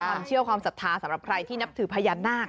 ความเชื่อความศรัทธาสำหรับใครที่นับถือพญานาค